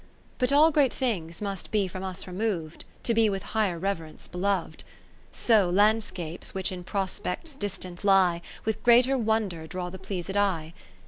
But all great things must be from us remov'd, To be with higher reverence belov'd. So landscapes which in prospects distant lie, With greater wonder draw the pleased eye.